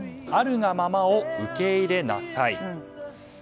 あるがままを受け入れなさい。